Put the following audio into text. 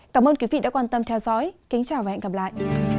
cảm ơn quý vị đã quan tâm theo dõi kính chào và hẹn gặp lại